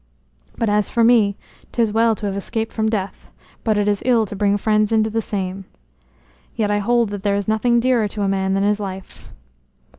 But as for me, 'tis well to have escaped from death, but it is ill to bring friends into the same. Yet I hold that there is nothing dearer to a man than his life."